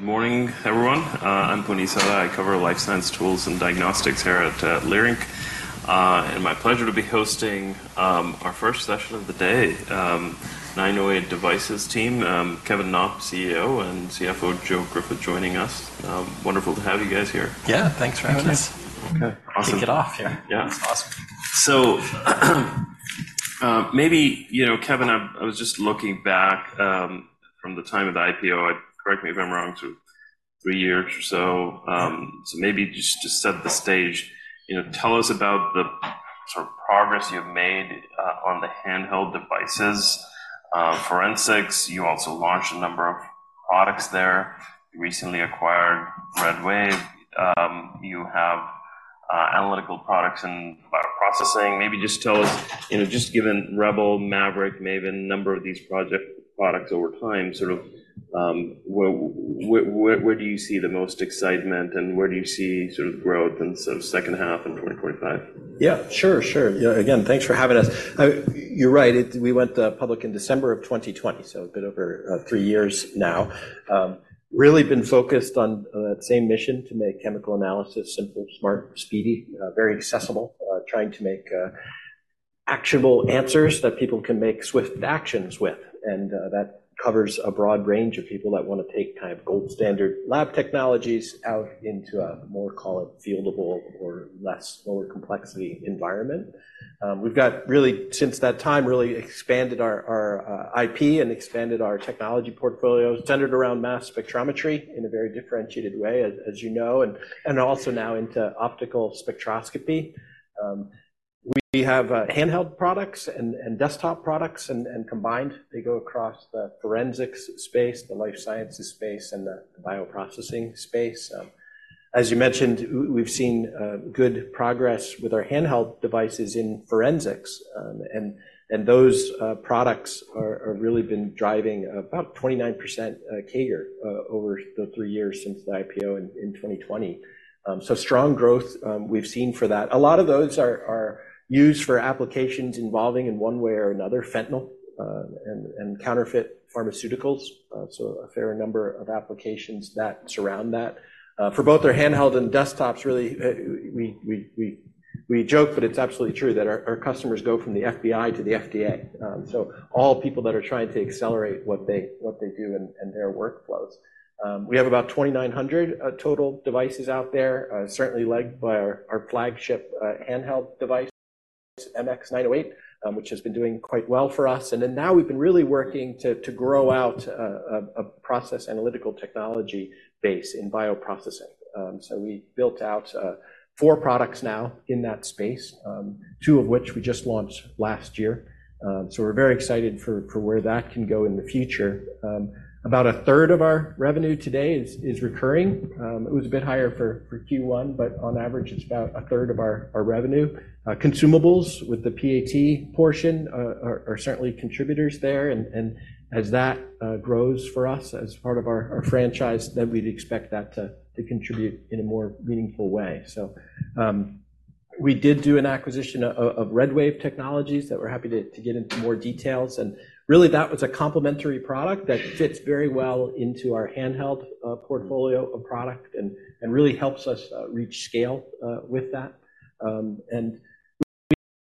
Good morning, everyone. I'm Puneet Souda. I cover life science tools and diagnostics here at Leerink. And my pleasure to be hosting our first session of the day, 908 Devices team, Kevin Knopp, CEO, and CFO, Joe Griffith, joining us. Wonderful to have you guys here. Yeah, thanks for having us. Thanks. Okay. Awesome. Kick it off here. Yeah. It's awesome. So, maybe, you know, Kevin, I was just looking back from the time of the IPO, correct me if I'm wrong, two, three years or so. So maybe just set the stage, you know, tell us about the sort of progress you've made on the handheld devices, forensics. You also launched a number of products there, recently acquired RedWave. You have analytical products and bioprocessing. Maybe just tell us, you know, just given Rebel, Maverick, Maven, a number of these products over time, sort of, where do you see the most excitement, and where do you see sort of growth in sort of second half in 2025? Yeah, sure. Sure. Yeah, again, thanks for having us. You're right. We went public in December of 2020, so a bit over three years now. Really been focused on that same mission to make chemical analysis simple, smart, speedy, very accessible, trying to make actionable answers that people can make swift actions with. And that covers a broad range of people that want to take kind of gold standard lab technologies out into a more, call it, fieldable or less lower complexity environment. We've got really, since that time, really expanded our, our IP and expanded our technology portfolio centered around mass spectrometry in a very differentiated way, as you know, and also now into optical spectroscopy. We have handheld products and desktop products, and combined, they go across the forensics space, the life sciences space, and the bioprocessing space. As you mentioned, we've seen good progress with our handheld devices in forensics. And those products are really been driving about 29% CAGR over the three years since the IPO in 2020. So strong growth, we've seen for that. A lot of those are used for applications involving, in one way or another, fentanyl and counterfeit pharmaceuticals. So a fair number of applications that surround that. For both our handheld and desktops, really, we joke, but it's absolutely true that our customers go from the FBI to the FDA. So all people that are trying to accelerate what they do and their workflows. We have about 2,900 total devices out there, certainly led by our flagship handheld device, MX908, which has been doing quite well for us. And then now we've been really working to grow out a process analytical technology base in bioprocessing. So we built out four products now in that space, two of which we just launched last year. So we're very excited for where that can go in the future. About a third of our revenue today is recurring. It was a bit higher for Q1, but on average, it's about a third of our revenue. Consumables with the PAT portion are certainly contributors there, and as that grows for us as part of our franchise, then we'd expect that to contribute in a more meaningful way. So, we did do an acquisition of RedWave Technology, that we're happy to get into more details. And really, that was a complementary product that fits very well into our handheld portfolio of product and really helps us reach scale with that. And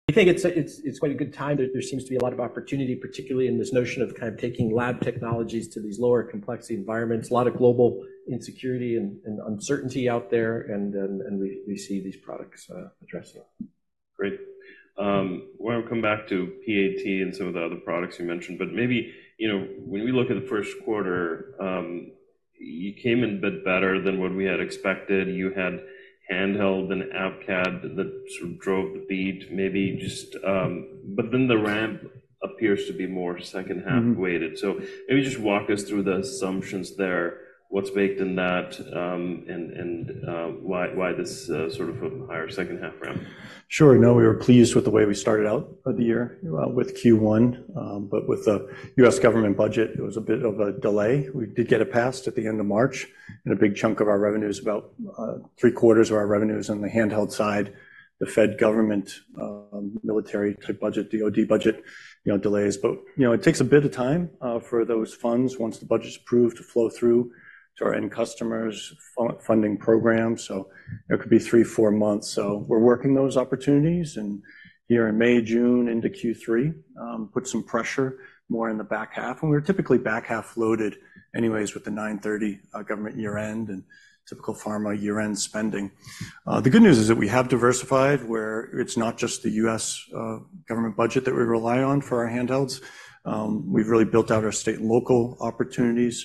we think it's quite a good time that there seems to be a lot of opportunity, particularly in this notion of kind of taking lab technologies to these lower complexity environments, a lot of global insecurity and uncertainty out there, and then we see these products addressing. Great. We'll come back to PAT and some of the other products you mentioned, but maybe, you know, when we look at the first quarter, you came in a bit better than what we had expected. You had handheld and AVCAD that sort of drove the beat, maybe just... But then the ramp appears to be more second-half weighted. Mm-hmm. So maybe just walk us through the assumptions there, what's baked in that, and why this sort of a higher second-half ramp? Sure. No, we were pleased with the way we started out of the year with Q1. But with the U.S. government budget, it was a bit of a delay. We did get it passed at the end of March, and a big chunk of our revenue is about three-quarters of our revenue is on the handheld side, the Fed government, military budget, DOD budget, you know, delays. But, you know, it takes a bit of time for those funds, once the budget's approved, to flow through to our end customers' funding program, so it could be 3 months, 4 months. So we're working those opportunities, and here in May, June, into Q3, put some pressure more in the back half, and we're typically back-half loaded anyways with the 9/30 government year-end and typical pharma year-end spending. The good news is that we have diversified, where it's not just the U.S. government budget that we rely on for our handhelds. We've really built out our state and local opportunities,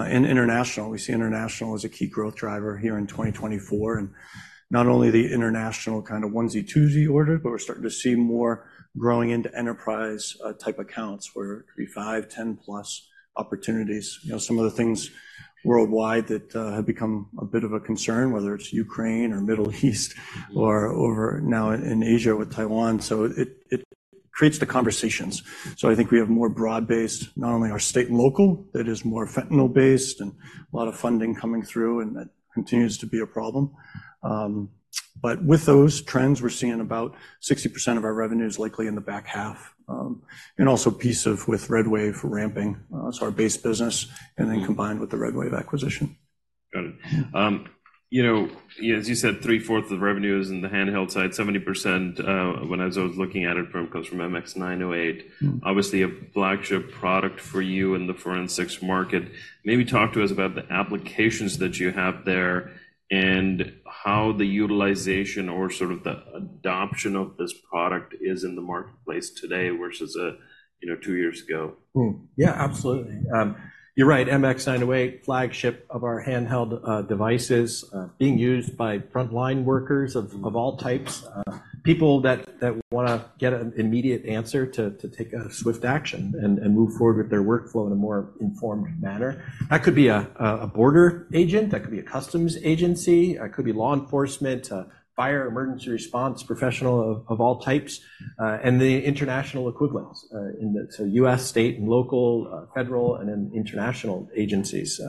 and international. We see international as a key growth driver here in 2024, and not only the international kind of onesie, twosie order, but we're starting to see more growing into enterprise type accounts, where it could be 5, 10+ opportunities. You know, some of the things worldwide that have become a bit of a concern, whether it's Ukraine or Middle East or over now in Asia with Taiwan. So it creates the conversations. So I think we have more broad-based, not only our state and local, that is more fentanyl-based and a lot of funding coming through, and that continues to be a problem. But with those trends, we're seeing about 60% of our revenue is likely in the back half, and also a piece of with RedWave ramping, so our base business and then combined with the RedWave acquisition.... Got it. You know, as you said, three-fourths of revenue is in the handheld side, 70%, when I was looking at it from, comes from MX908. Obviously, a flagship product for you in the forensics market. Maybe talk to us about the applications that you have there and how the utilization or sort of the adoption of this product is in the marketplace today versus, you know, two years ago. Yeah, absolutely. You're right, MX908, flagship of our handheld devices, being used by frontline workers of all types. People that wanna get an immediate answer to take a swift action and move forward with their workflow in a more informed manner. That could be a border agent, that could be a customs agency, it could be law enforcement, a fire emergency response professional of all types, and the international equivalents in the... So U.S., state, and local, federal, and then international agencies.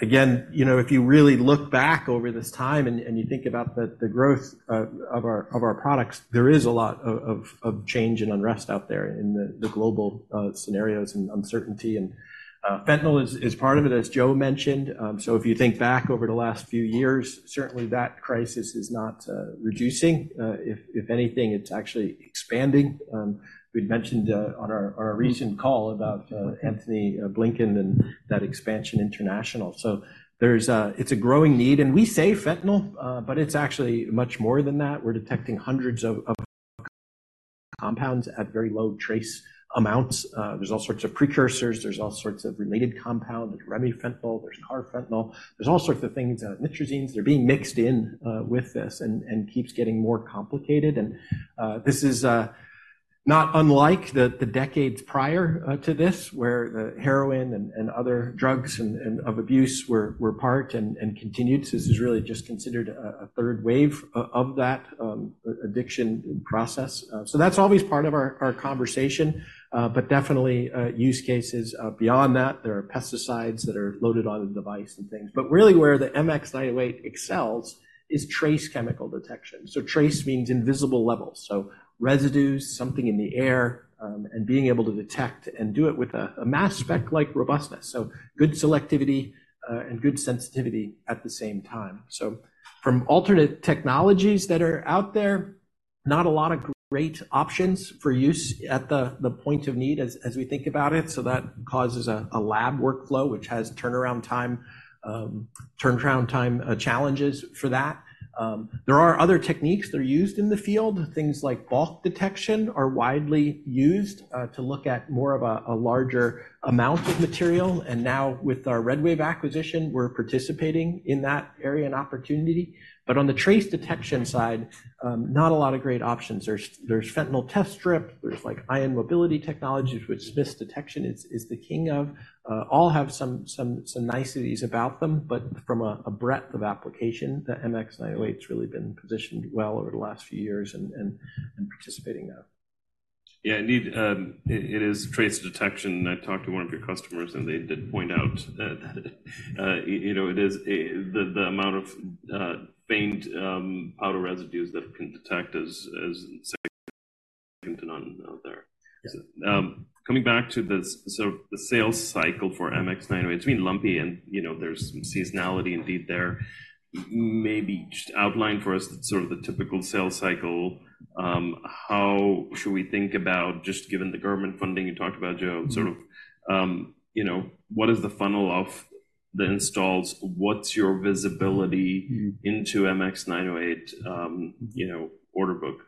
Again, you know, if you really look back over this time and you think about the growth of our products, there is a lot of change and unrest out there in the global scenarios and uncertainty, and fentanyl is part of it, as Joe mentioned. So if you think back over the last few years, certainly that crisis is not reducing. If anything, it's actually expanding. We'd mentioned on our recent call about Anthony Blinken and that expansion international. So there's a-- it's a growing need, and we say fentanyl, but it's actually much more than that. We're detecting hundreds of compounds at very low trace amounts. There's all sorts of precursors, there's all sorts of related compound. There's remifentanil, there's carfentanil, there's all sorts of things, nitrazepams. They're being mixed in with this and keeps getting more complicated. This is not unlike the decades prior to this, where the heroin and other drugs and of abuse were part and continued. This is really just considered a third wave of that addiction process. So that's always part of our conversation, but definitely use cases beyond that, there are pesticides that are loaded on the device and things. But really where the MX908 excels is trace chemical detection. So trace means invisible levels, so residues, something in the air, and being able to detect and do it with a mass spec-like robustness. So good selectivity and good sensitivity at the same time. So from alternate technologies that are out there, not a lot of great options for use at the point of need as we think about it, so that causes a lab workflow, which has turnaround time challenges for that. There are other techniques that are used in the field. Things like bulk detection are widely used to look at more of a larger amount of material. And now with our RedWave acquisition, we're participating in that area and opportunity. But on the trace detection side, not a lot of great options. There's fentanyl test strip, there's like ion mobility technologies, which IMS detection is the king of. All have some niceties about them, but from a breadth of application, the MX908's really been positioned well over the last few years and participating now. Yeah, indeed, it is trace detection. I talked to one of your customers, and they did point out that, you know, it is a... the amount of faint powder residues that it can detect is second to none out there. Yeah. Coming back to the sort of the sales cycle for MX908, it's been lumpy and, you know, there's some seasonality indeed there. Maybe just outline for us sort of the typical sales cycle. How should we think about just given the government funding you talked about, Joe? Mm-hmm. Sort of, you know, what is the funnel of the installs? What's your visibility- Mm. -into MX908, you know, order book?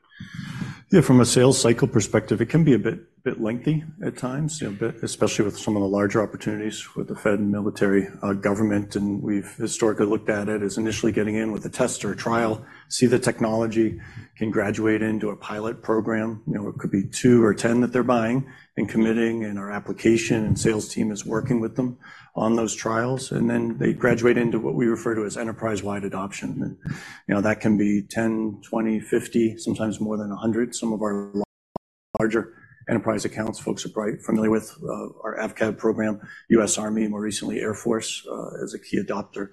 Yeah, from a sales cycle perspective, it can be a bit lengthy at times, you know, but especially with some of the larger opportunities with the fed and military government. We've historically looked at it as initially getting in with a test or a trial, see the technology, can graduate into a pilot program. You know, it could be two or 10 that they're buying and committing, and our application and sales team is working with them on those trials, and then they graduate into what we refer to as enterprise-wide adoption. And, you know, that can be 10, 20, 50, sometimes more than 100. Some of our larger enterprise accounts, folks are probably familiar with our AVCAD program, U.S. Army, more recently U.S. Air Force, as a key adopter.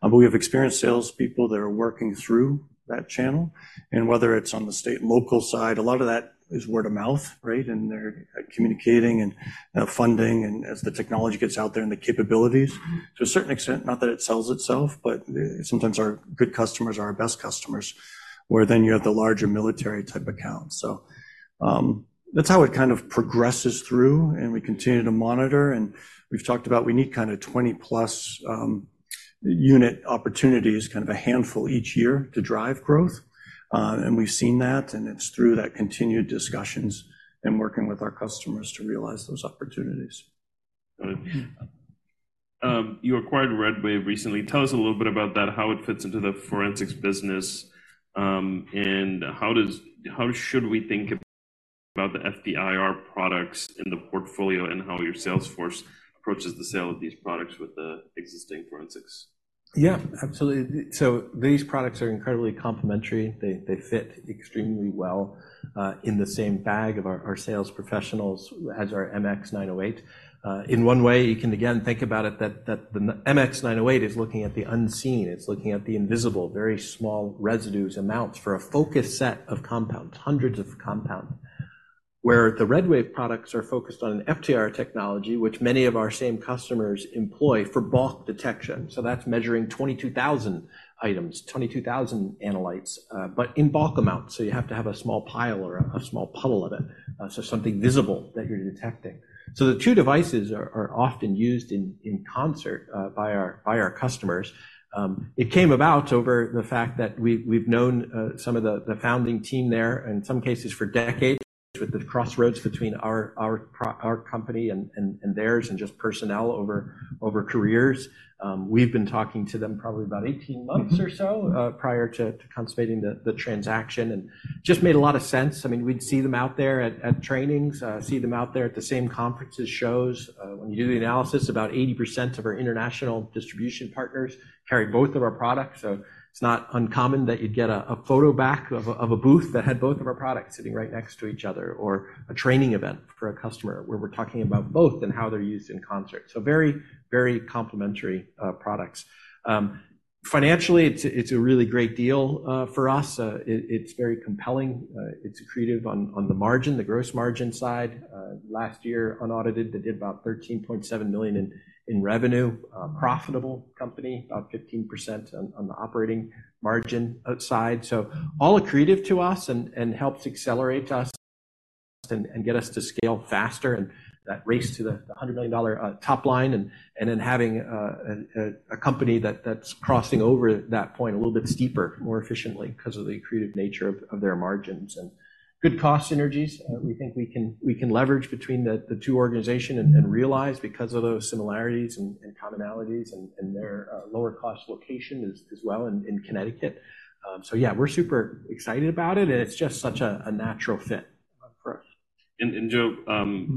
But we have experienced salespeople that are working through that channel. And whether it's on the state and local side, a lot of that is word of mouth, right? And they're communicating and funding, and as the technology gets out there and the capabilities. To a certain extent, not that it sells itself, but sometimes our good customers are our best customers, where then you have the larger military type account. So, that's how it kind of progresses through, and we continue to monitor. And we've talked about we need kinda 20+ unit opportunities, kind of a handful each year to drive growth. And we've seen that, and it's through that continued discussions and working with our customers to realize those opportunities. Got it. You acquired RedWave recently. Tell us a little bit about that, how it fits into the forensics business, and how should we think about the FTIR products in the portfolio and how your sales force approaches the sale of these products with the existing forensics? Yeah, absolutely. So these products are incredibly complementary. They fit extremely well in the same bag of our sales professionals as our MX908. In one way, you can again think about it that the MX908 is looking at the unseen, it's looking at the invisible, very small residues amounts for a focused set of compounds, hundreds of compounds... where the RedWave products are focused on an FTIR technology, which many of our same customers employ for bulk detection. So that's measuring 22,000 items, 22,000 analytes, but in bulk amounts, so you have to have a small pile or a small puddle of it, so something visible that you're detecting. So the two devices are often used in concert by our customers. It came about over the fact that we've known some of the founding team there, in some cases for decades, with the crossroads between our company and theirs, and just personnel over careers. We've been talking to them probably about 18 months or so- Mm-hmm. Prior to consummating the transaction, and just made a lot of sense. I mean, we'd see them out there at trainings, see them out there at the same conferences, shows. When you do the analysis, about 80% of our international distribution partners carry both of our products. So it's not uncommon that you'd get a photo back of a booth that had both of our products sitting right next to each other, or a training event for a customer where we're talking about both and how they're used in concert. So very, very complementary products. Financially, it's a really great deal for us. It's very compelling. It's accretive on the margin, the gross margin side. Last year, unaudited, they did about $13.7 million in revenue. Profitable company, about 15% on the operating margin outside. So all accretive to us and helps accelerate us and get us to scale faster, and that race to the $100 million top line, and then having a company that's crossing over that point a little bit steeper, more efficiently because of the accretive nature of their margins. And good cost synergies, we think we can leverage between the two organizations and realize because of those similarities and commonalities, and their lower cost location as well in Connecticut. So yeah, we're super excited about it, and it's just such a natural fit for us. Joe,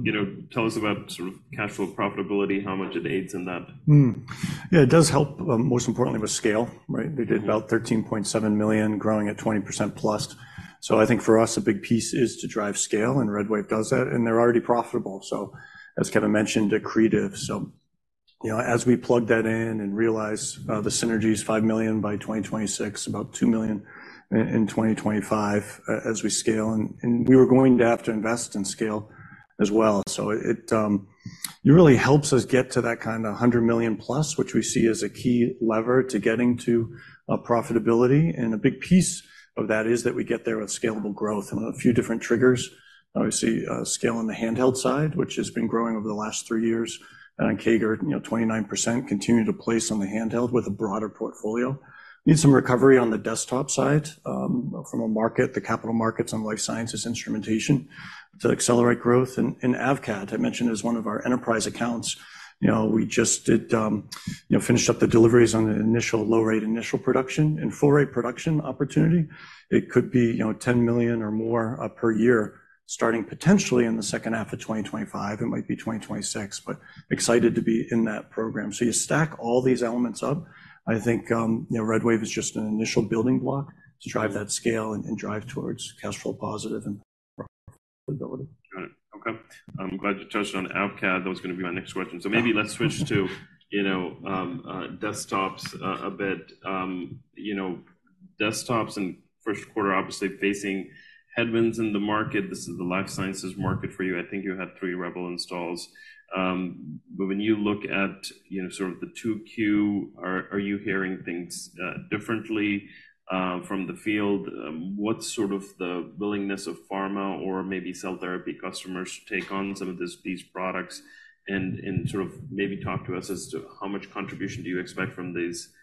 you know, tell us about sort of cash flow profitability, how much it aids in that? Yeah, it does help, most importantly, with scale, right? They did about $13.7 million, growing at 20%+. So I think for us, a big piece is to drive scale, and RedWave does that, and they're already profitable. So as Kevin mentioned, accretive. So, you know, as we plug that in and realize the synergy is $5 million by 2026, about $2 million in 2025, as we scale, and we were going to have to invest in scale as well. So it really helps us get to that kind of 100 million+, which we see as a key lever to getting to profitability. And a big piece of that is that we get there with scalable growth and a few different triggers. Obviously, scale on the handheld side, which has been growing over the last three years, and a CAGR, you know, 29%, continue to place on the handheld with a broader portfolio. Need some recovery on the desktop side, from a market, the capital markets and life sciences instrumentation to accelerate growth. And AVCAD, I mentioned, is one of our enterprise accounts. You know, we just did, you know, finished up the deliveries on the initial low rate, initial production and full-rate production opportunity. It could be, you know, $10 million or more per year, starting potentially in the second half of 2025. It might be 2026, but excited to be in that program. You stack all these elements up, I think, you know, RedWave is just an initial building block to drive that scale and drive towards cash flow positive and profitability. Got it. Okay. I'm glad you touched on AVCAD. That was going to be my next question. So maybe let's switch to, you know, desktops, a bit. You know, desktops in first quarter, obviously facing headwinds in the market. This is the life sciences market for you. I think you had three Rebel installs. But when you look at, you know, sort of the Q2, are you hearing things, differently, from the field? What's sort of the willingness of pharma or maybe cell therapy customers to take on some of this, these products? And sort of maybe talk to us as to how much contribution do you expect from these,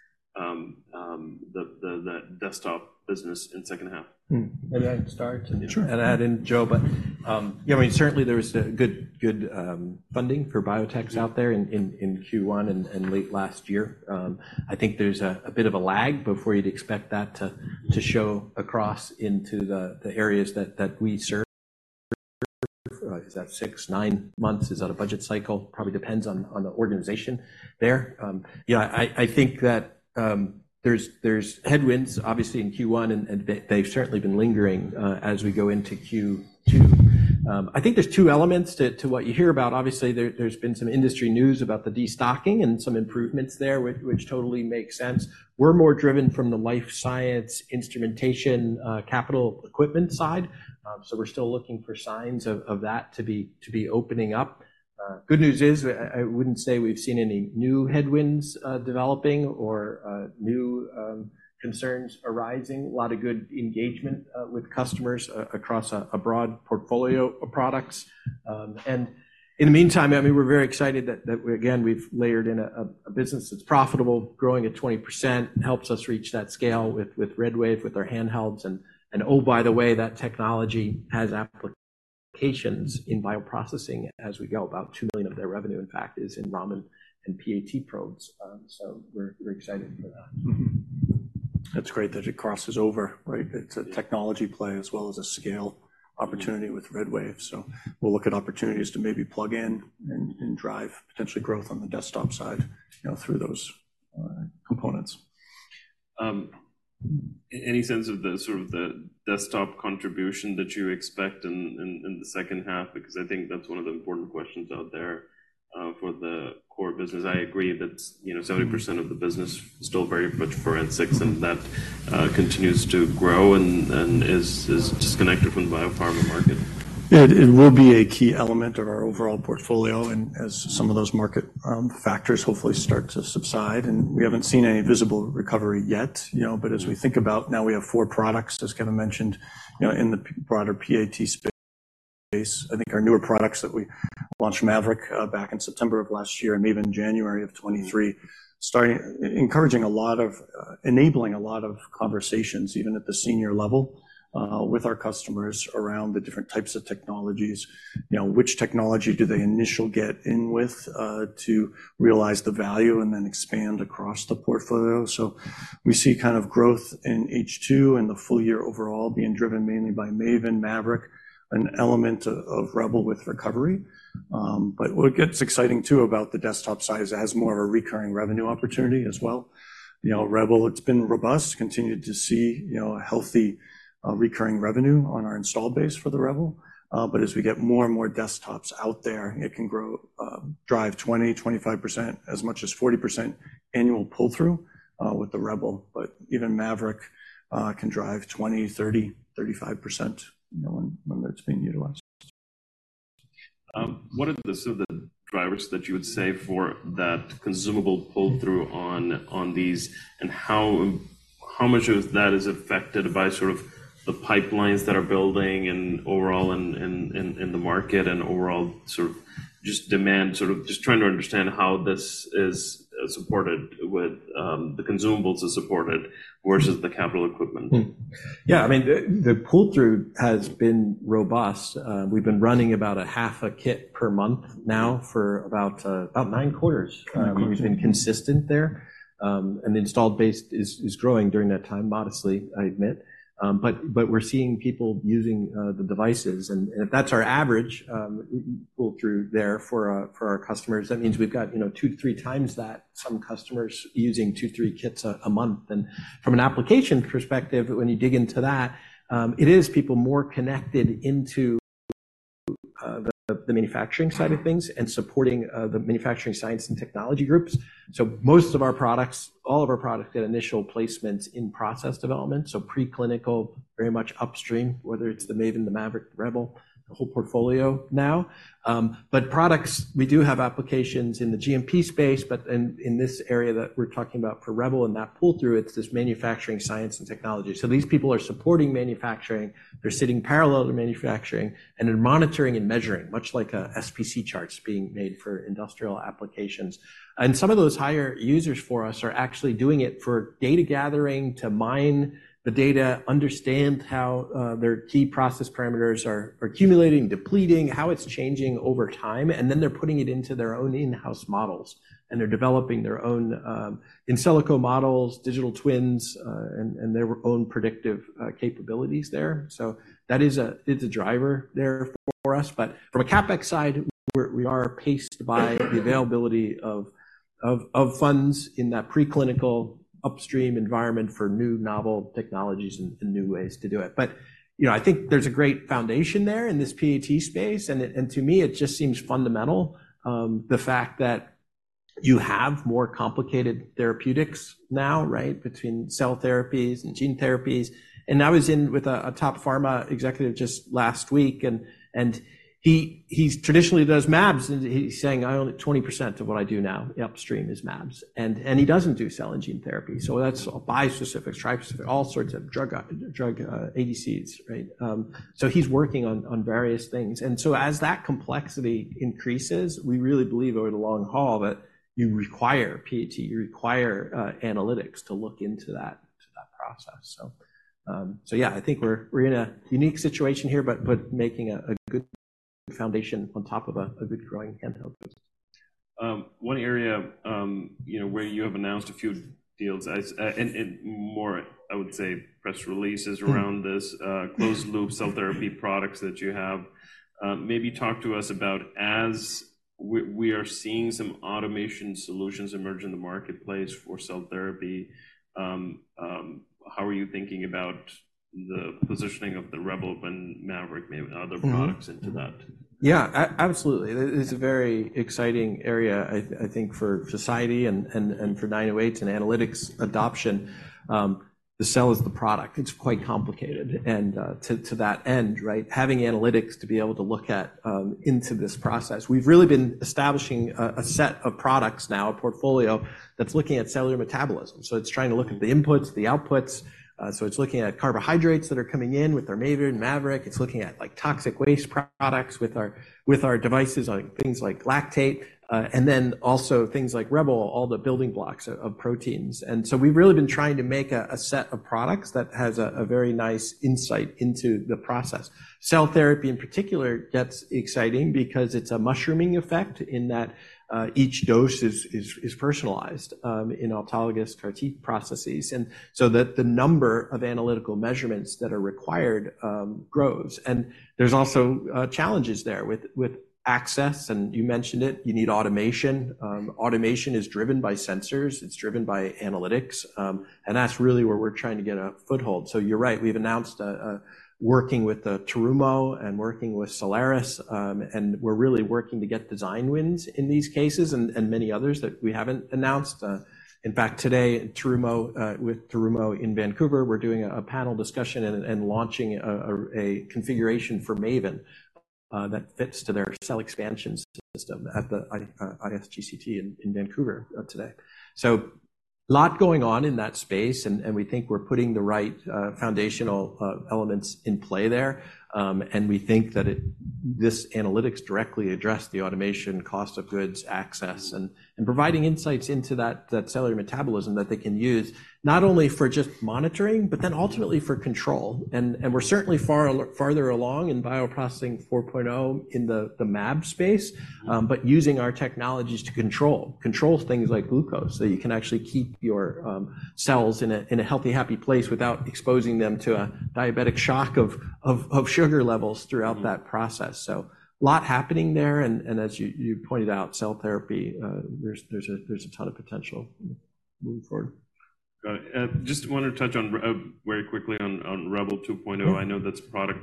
the desktop business in second half. May I start- Sure. And add in Joe, but, yeah, I mean, certainly there was a good, good, funding for biotechs out there in, in, in Q1 and, and late last year. I think there's a, a bit of a lag before you'd expect that to, to show across into the, the areas that, that we serve. Is that 6 months, 9 months? Is that a budget cycle? Probably depends on, on the organization there. Yeah, I, I think that, there's, there's headwinds, obviously, in Q1, and, and they, they've certainly been lingering, as we go into Q2. I think there's two elements to, to what you hear about. Obviously, there, there's been some industry news about the destocking and some improvements there, which, which totally makes sense. We're more driven from the life science, instrumentation, capital equipment side, so we're still looking for signs of that to be opening up. Good news is, I wouldn't say we've seen any new headwinds developing or new concerns arising. A lot of good engagement with customers across a broad portfolio of products. And in the meantime, I mean, we're very excited that again, we've layered in a business that's profitable, growing at 20%, and helps us reach that scale with RedWave, with our handhelds. And oh, by the way, that technology has applications in bioprocessing as we go. About $2 million of their revenue, in fact, is in Raman and PAT probes. So we're excited for that. Mm-hmm. It's great that it crosses over, right? It's a technology play as well as a scale opportunity with RedWave. So we'll look at opportunities to maybe plug in and drive potentially growth on the desktop side, you know, through those.... components. Any sense of the sort of the desktop contribution that you expect in the second half? Because I think that's one of the important questions out there for the core business. I agree that, you know, 70% of the business is still very much for MX, and that continues to grow and is disconnected from the biopharma market. It will be a key element of our overall portfolio, and as some of those market factors hopefully start to subside, and we haven't seen any visible recovery yet, you know. But as we think about now, we have four products, as Kevin mentioned, you know, in the broader PAT space. I think our newer products that we launched, Maverick, back in September of last year, and Maven January of 2023, enabling a lot of conversations, even at the senior level, with our customers around the different types of technologies. You know, which technology do they initially get in with, to realize the value and then expand across the portfolio? So we see kind of growth in H2 and the full year overall being driven mainly by Maven, Maverick, an element of Rebel with recovery. But what gets exciting, too, about the desktop size, it has more of a recurring revenue opportunity as well. You know, Rebel, it's been robust, continued to see, you know, a healthy recurring revenue on our installed base for the Rebel. But as we get more and more desktops out there, it can grow, drive 20%, 25%, as much as 40% annual pull-through with the Rebel. But even Maverick can drive 20%, 30%, 35%, you know, when it's being utilized. What are the sort of the drivers that you would say for that consumable pull-through on these? And how much of that is affected by sort of the pipelines that are building and overall in the market and overall sort of just demand, sort of just trying to understand how this is supported with the consumables is supported versus the capital equipment? Hmm. Yeah, I mean, the pull-through has been robust. We've been running about a half a kit per month now for about nine quarters. Nine quarters. We've been consistent there. And the installed base is growing during that time, modestly, I admit. But we're seeing people using the devices, and if that's our average pull-through there for our customers, that means we've got, you know, 2x-3x that, some customers using 2 kits-3 kits a month. And from an application perspective, when you dig into that, it is people more connected into the manufacturing side of things and supporting the manufacturing science and technology groups. So most of our products, all of our products, get initial placements in process development, so preclinical, very much upstream, whether it's the Maven, the Maverick, Rebel, the whole portfolio now. But products, we do have applications in the GMP space, but in this area that we're talking about for Rebel and that pull-through, it's this manufacturing science and technology. So these people are supporting manufacturing, they're sitting parallel to manufacturing and are monitoring and measuring, much like SPC charts being made for industrial applications. And some of those higher users for us are actually doing it for data gathering, to mine the data, understand how their key process parameters are accumulating, depleting, how it's changing over time, and then they're putting it into their own in-house models, and they're developing their own in silico models, digital twins, and their own predictive capabilities there. So that is a, it's a driver there for us, but from a CapEx side, we are paced by the availability of funds in that preclinical upstream environment for new novel technologies and new ways to do it. But, you know, I think there's a great foundation there in this PAT space, and it, and to me, it just seems fundamental, the fact that you have more complicated therapeutics now, right, between cell therapies and gene therapies. And I was in with a top pharma executive just last week, and he traditionally does mAbs, and he's saying, "I own it 20% of what I do now, upstream, is mAbs." And he doesn't do cell and gene therapy, so that's a bispecific, trispecific, all sorts of drug ADCs, right? So he's working on various things. And so as that complexity increases, we really believe over the long haul that you require PAT, you require analytics to look into that process. So, yeah, I think we're in a unique situation here, but making a good foundation on top of a good growing handheld business. One area, you know, where you have announced a few deals, and more, I would say, press releases around this closed loop cell therapy products that you have. Maybe talk to us about as we are seeing some automation solutions emerge in the marketplace for cell therapy, how are you thinking about the positioning of the Rebel and Maverick, maybe other products into that? Yeah, absolutely. It is a very exciting area, I think for society and for 908s and analytics adoption. The cell is the product. It's quite complicated, and to that end, right, having analytics to be able to look at into this process. We've really been establishing a set of products now, a portfolio that's looking at cellular metabolism. So it's trying to look at the inputs, the outputs. So it's looking at carbohydrates that are coming in with our Maven, Maverick. It's looking at, like, toxic waste products with our devices, like things like lactate, and then also things like Rebel, all the building blocks of proteins. And so we've really been trying to make a set of products that has a very nice insight into the process. Cell therapy, in particular, gets exciting because it's a mushrooming effect in that each dose is personalized in autologous CAR T processes. And so the number of analytical measurements that are required grows. And there's also challenges there with access, and you mentioned it, you need automation. Automation is driven by sensors, it's driven by analytics, and that's really where we're trying to get a foothold. So you're right, we've announced working with the Terumo and working with Solaris, and we're really working to get design wins in these cases and many others that we haven't announced. In fact, today with Terumo in Vancouver, we're doing a panel discussion and launching a configuration for Maven. that fits to their cell expansion system at the ISCT in Vancouver today. So a lot going on in that space, and we think we're putting the right foundational elements in play there. And we think that it—this analytics directly address the automation cost of goods, access, and providing insights into that cellular metabolism that they can use, not only for just monitoring, but then ultimately for control. And we're certainly farther along in bioprocessing 4.0 in the mAb space, but using our technologies to control. Control things like glucose, so you can actually keep your cells in a healthy, happy place without exposing them to a diabetic shock of sugar levels throughout that process. So a lot happening there, and as you pointed out, cell therapy, there's a ton of potential moving forward. Got it. Just wanted to touch on, very quickly on, on Rebel 2.0. I know that's a product,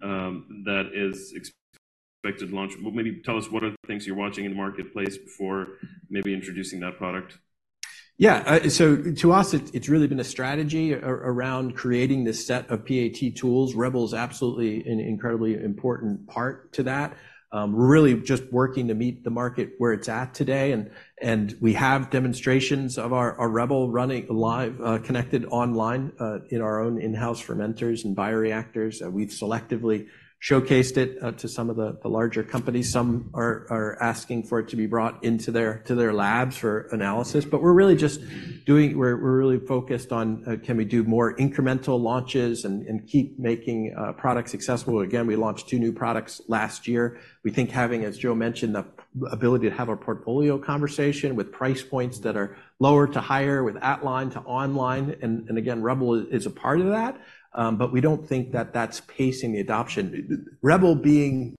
that is expected to launch. But maybe tell us what are the things you're watching in the marketplace before maybe introducing that product? Yeah, so to us, it's really been a strategy around creating this set of PAT tools. Rebel's absolutely an incredibly important part to that. We're really just working to meet the market where it's at today, and we have demonstrations of our Rebel running live, connected online, in our own in-house fermenters and bioreactors. We've selectively showcased it to some of the larger companies. Some are asking for it to be brought into their labs for analysis, but we're really just doing... We're really focused on, can we do more incremental launches and keep making products successful? Again, we launched two new products last year. We think having, as Joe mentioned, the ability to have a portfolio conversation with price points that are lower to higher, with at line to online, and again, Rebel is a part of that, but we don't think that that's pacing the adoption. Rebel being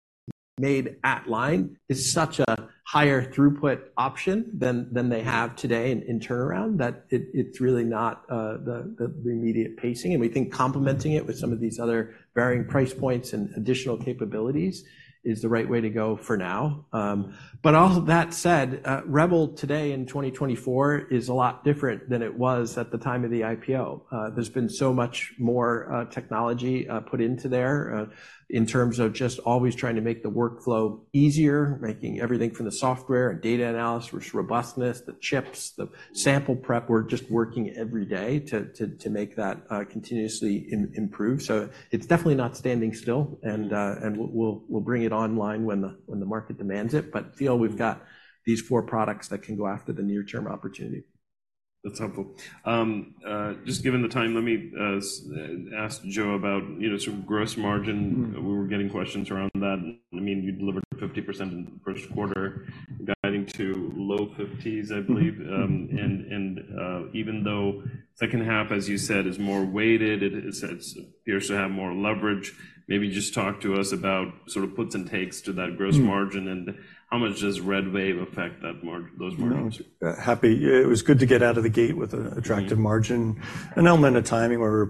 made at line is such a higher throughput option than they have today in turnaround, that it's really not the immediate pacing, and we think complementing it with some of these other varying price points and additional capabilities is the right way to go for now. But all that said, Rebel today in 2024 is a lot different than it was at the time of the IPO. There's been so much more technology put into there in terms of just always trying to make the workflow easier, making everything from the software and data analysis, robustness, the chips, the sample prep. We're just working every day to make that continuously improve. So it's definitely not standing still, and we'll bring it online when the market demands it, but feel we've got these four products that can go after the near term opportunity. That's helpful. Just given the time, let me ask Joe about, you know, sort of gross margin. Mm-hmm. We were getting questions around that. I mean, you delivered 50% in the first quarter, guiding to low 50s, I believe. Mm-hmm. Even though second half, as you said, is more weighted, it appears to have more leverage. Maybe just talk to us about sort of puts and takes to that gross margin- Hmm. And how much does RedWave affect that margin, those margins? Happy. It was good to get out of the gate with an attractive margin. An element of timing, where we're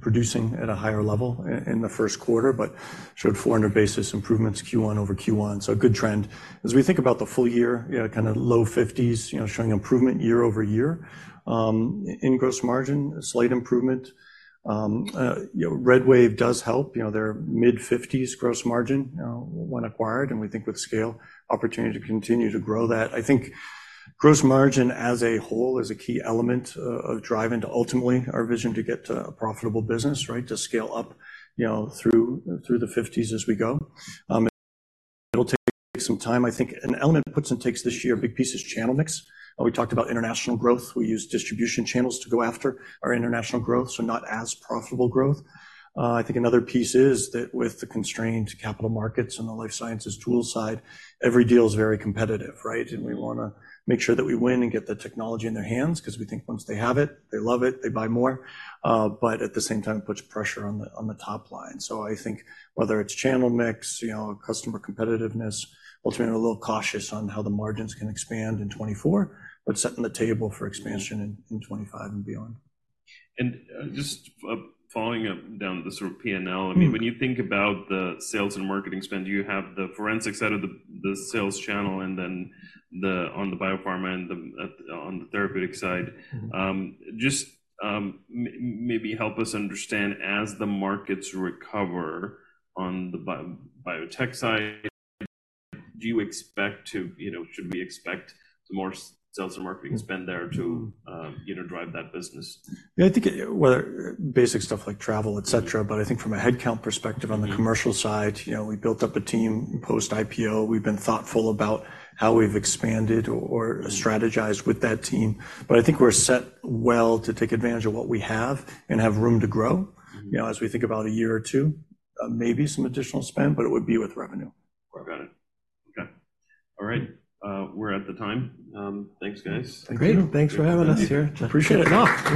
producing at a higher level in the first quarter, but showed 400 basis improvements Q1 over Q1. So a good trend. As we think about the full year, yeah, low fifties, you know, showing improvement year-over-year in gross margin, a slight improvement. You know, RedWave does help. You know, they're mid-fifties gross margin, you know, when acquired, and we think with scale, opportunity to continue to grow that. I think gross margin as a whole is a key element of driving to ultimately our vision to get to a profitable business, right? To scale up, you know, through the fifties as we go. It'll take some time. I think an element of puts and takes this year, a big piece is channel mix. We talked about international growth. We use distribution channels to go after our international growth, so not as profitable growth. I think another piece is that with the constrained capital markets and the life sciences tool side, every deal is very competitive, right? And we wanna make sure that we win and get the technology in their hands because we think once they have it, they love it, they buy more. But at the same time, it puts pressure on the top line. So I think whether it's channel mix, you know, customer competitiveness, we'll turn a little cautious on how the margins can expand in 2024, but setting the table for expansion in 2025 and beyond. Just following up down the sort of P&L- Mm-hmm. I mean, when you think about the sales and marketing spend, you have the forensic side of the, the sales channel and then the, on the biopharma and the, on the therapeutic side. Mm-hmm. Just, maybe help us understand, as the markets recover on the biotech side, do you expect to... You know, should we expect the more sales and marketing spend there to? Mm-hmm... you know, drive that business? Yeah, I think, whether basic stuff like travel, et cetera, but I think from a headcount perspective on the commercial side, you know, we built up a team post-IPO. We've been thoughtful about how we've expanded or strategized with that team. But I think we're set well to take advantage of what we have and have room to grow. Mm-hmm. You know, as we think about a year or two, maybe some additional spend, but it would be with revenue. Got it. Okay. All right, we're at the time. Thanks, guys. Great, thanks for having us here. Appreciate it.